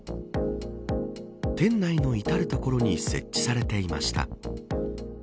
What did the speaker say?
店内の至る所に設置されていました。